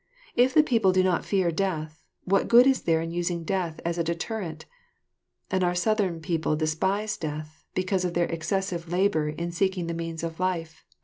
If the people do not fear death, what good is there in using death as a deterrent; and our Southern people despise death, because of their excessive labour in seeking the means of life.